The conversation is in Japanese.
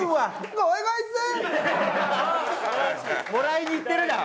もらいにいってるやん！